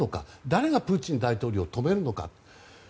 誰がプーチン大統領を止めるのか。